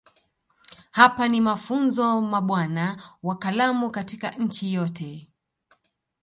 Hapa ni mafunzo mabwana wa kalamu katika nchi yote